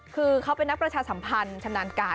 คือเขาเป็นนักประชาสัมพันธ์ชำนาญการ